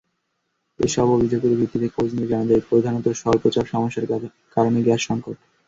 এসব অভিযোগের ভিত্তিতে খোঁজ নিয়ে জানা যায়, প্রধানত স্বল্পচাপ সমস্যার কারণে গ্যাস-সংকট।